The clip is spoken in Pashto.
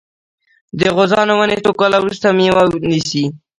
د غوزانو ونې څو کاله وروسته میوه نیسي؟